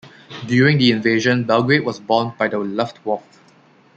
During the invasion, Belgrade was bombed by the "Luftwaffe".